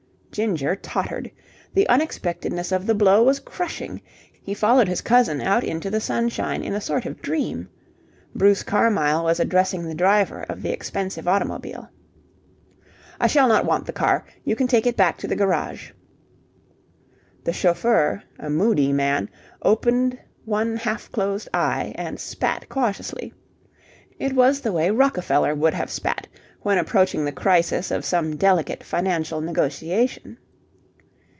Ginger tottered. The unexpectedness of the blow was crushing. He followed his cousin out into the sunshine in a sort of dream. Bruce Carmyle was addressing the driver of the expensive automobile. "I find I shall not want the car. You can take it back to the garage." The chauffeur, a moody man, opened one half closed eye and spat cautiously. It was the way Rockefeller would have spat when approaching the crisis of some delicate financial negotiation.